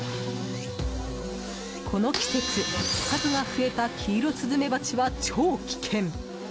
この季節、数が増えたキイロスズメバチは超危険。